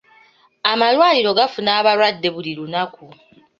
Amalwaliro gafuna abalwadde buli lunaku.